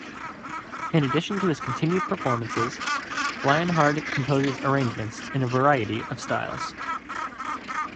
In addition to his continued performances, Lienhard composes arrangements in a variety of styles.